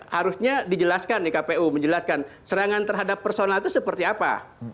harusnya dijelaskan di kpu menjelaskan serangan terhadap personal itu seperti apa